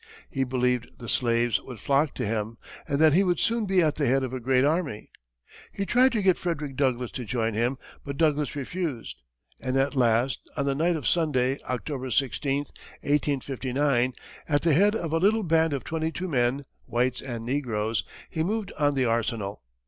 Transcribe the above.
He believed the slaves would flock to him, and that he would soon be at the head of a great army. He tried to get Frederick Douglass to join him, but Douglass refused, and, at last, on the night of Sunday, October 16, 1859, at the head of a little band of twenty two men, whites and negroes, he moved on the arsenal.